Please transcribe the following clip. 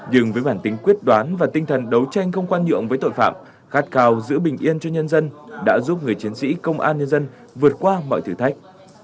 nhưng với bản tính quyết đoán và tinh thần đấu tranh không khoan nhượng với tội phạm khát cào giữ bình yên cho nhân dân đã giúp người chiến sĩ công an nhân dân vượt qua mọi thử thách